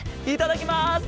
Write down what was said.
いただきます。